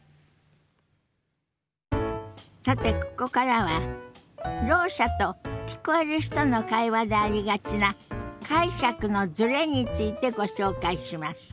さてここからはろう者と聞こえる人の会話でありがちな解釈のズレについてご紹介します。